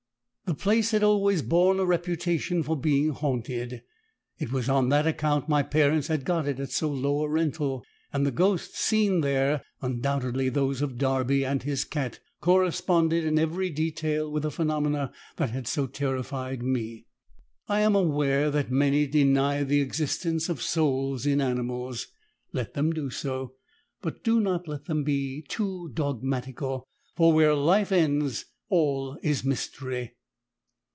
The place had always borne a reputation for being haunted it was on that account my parents had got it at so low a rental and the ghosts seen there (undoubtedly those of Darby and his cat) corresponded in every detail with the phenomena that had so terrified me. I am aware that many deny the existence of souls in animals let them do so but do not let them be too dogmatical, for where Life ends all is mystery.